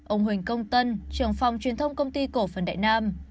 ông huỳnh công tân trường phòng truyền thông công ty cổ phần đại nam